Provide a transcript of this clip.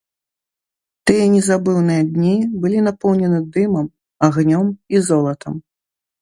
Тыя незабыўныя дні былі напоўнены дымам, агнём і золатам.